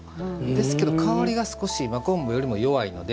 ですけど、香りが少し真昆布よりも弱いので。